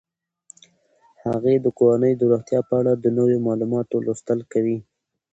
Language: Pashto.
هغې د کورنۍ د روغتیا په اړه د نویو معلوماتو لوستل کوي.